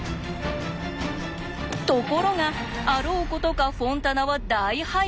ところがあろうことかフォンタナは大敗北。